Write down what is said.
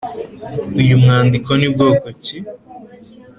Uyu mwandiko ni bwoko ki?